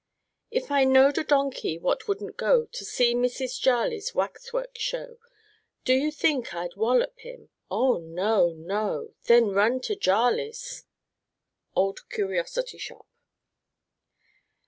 If I know'd a donkey wot wouldn't go To see Mrs. Jarley's wax work show, Do you think I'd wollop him? Oh, no, no! Then run to Jarley's _Old Curiosity Shop.